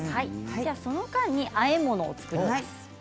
その間にあえ物を作ります。